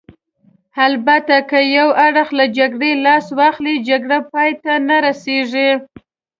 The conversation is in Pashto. البته که یو اړخ له جګړې لاس واخلي، جګړه پای ته نه رسېږي.